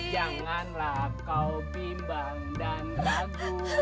janganlah kau pimbang dan ragu